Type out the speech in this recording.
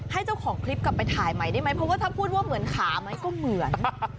เจ้าของคลิปกลับไปถ่ายใหม่ได้ไหมเพราะว่าถ้าพูดว่าเหมือนขาไหมก็เหมือน